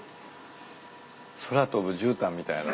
空飛ぶじゅうたんみたいな。